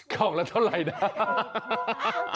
กล่องละเท่าไหร่นะ